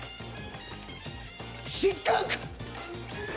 失格！